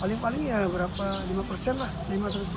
paling paling ya berapa lima persen lah